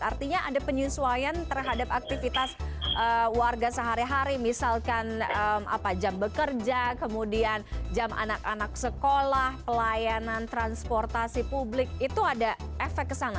artinya ada penyesuaian terhadap aktivitas warga sehari hari misalkan jam bekerja kemudian jam anak anak sekolah pelayanan transportasi publik itu ada efek ke sana